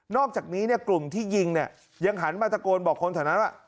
อกจากนี้เนี่ยกลุ่มที่ยิงเนี่ยยังหันมาตะโกนบอกคนแถวนั้นว่า